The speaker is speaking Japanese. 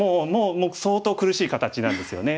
もう相当苦しい形なんですよね。